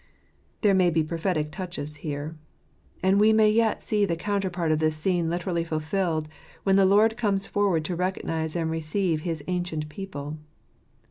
There may be prophetic touches here. And we may yet see the counterpart of this scene literally fulfilled, when the Lord comes forward to recognize and receive his ancient people.